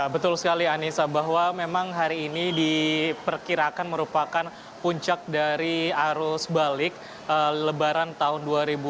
betul sekali anissa bahwa memang hari ini diperkirakan merupakan puncak dari arus balik lebaran tahun dua ribu dua puluh